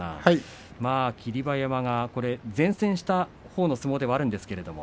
霧馬山は善戦したほうの相撲ではあるんですが。